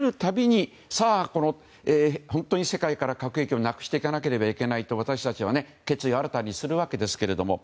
平和の灯を見る度に本当に世界から核兵器をなくしていかなくてはいけないと私たちは決意を新たにするわけですが。